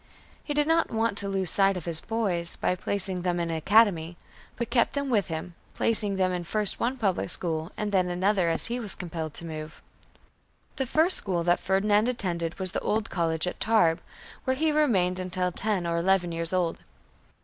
He did not want to lose sight of his boys, by placing them in an academy, but kept them with him, placing them in first one public school and then another, as he was compelled to move. The first school that Ferdinand attended was the old college at Tarbes, where he remained until ten or eleven years old.